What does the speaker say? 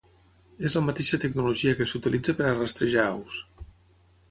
És la mateixa tecnologia que s'utilitza per a rastrejar aus.